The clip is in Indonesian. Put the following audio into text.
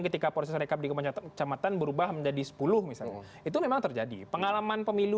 ketika proses rekap di kecamatan berubah menjadi sepuluh misalnya itu memang terjadi pengalaman pemilu